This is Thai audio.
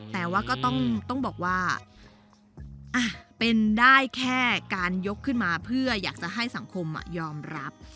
แต่ว่าก็ต้องบอกว่าเป็นได้แค่การยกขึ้นมาเพื่ออยากจะให้สังคมยอมรับ